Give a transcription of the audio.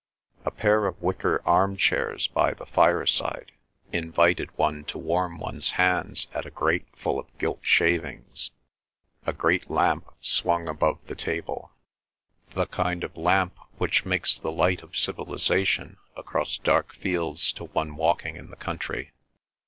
A pair of wicker arm chairs by the fireside invited one to warm one's hands at a grate full of gilt shavings; a great lamp swung above the table—the kind of lamp which makes the light of civilisation across dark fields to one walking in the country.